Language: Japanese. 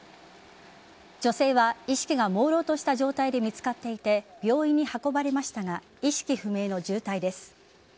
女性は意識がもうろうとした状態で見つかっていて病院に運ばれましたが意識不明の重体です。